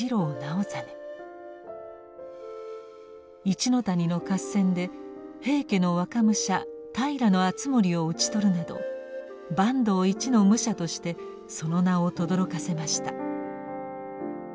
一ノ谷の合戦で平家の若武者平敦盛を討ち取るなど坂東一の武者としてその名をとどろかせました。